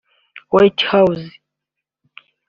White House